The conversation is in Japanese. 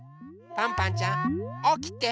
パンパンちゃんおきて。